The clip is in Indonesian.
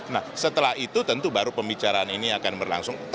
nah setelah itu tentu baru pembicaraan ini akan berlangsung